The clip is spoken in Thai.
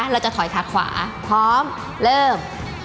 เราจะถอยขาขวาพร้อมเริ่ม